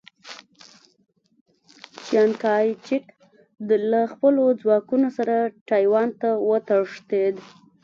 چیانکایچک له خپلو ځواکونو سره ټایوان ته وتښتېد.